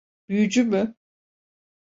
Büyücü mü?